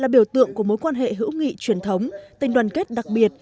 điều tượng của mối quan hệ hữu nghị truyền thống tình đoàn kết đặc biệt